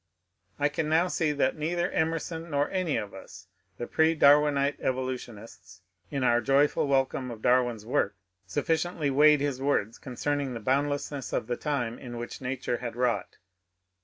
I can now see that neither Emerson nor any of us — the pre Darwinite Evolutionists — in our joyful welcome of Dar win's work' sufficiently weighed his words concerning the boundlessness of the time in which nature had wrought.